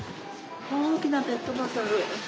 大きなペットボトル。